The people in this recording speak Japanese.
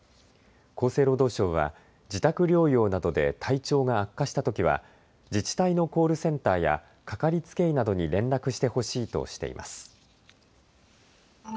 厚生労働省は自宅療養などで体調が悪化したときは自治体のコールセンターやかかりつけ医などに連絡してほしいとしています。